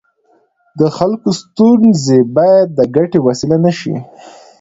د خلکو ستونزې باید د ګټې وسیله نه شي.